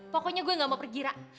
pokoknya gue nggak mau pergi ra